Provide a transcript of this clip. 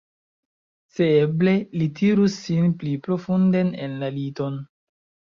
Se eble, li tirus sin pli profunden en la liton.